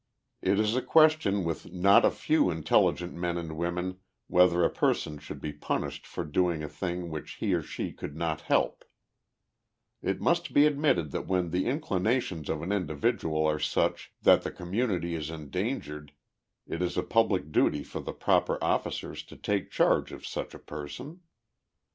Jt is a question with not a few intelligent men and women whether a person should be punished for doing a thing which he or she could not help. 20 THE LIFE OF JESSE HARDING POMEROY. It must be admitted that when the inclinations of an individual are such that the community is endangered it is a public duty for the proper officers to take charge of such a person.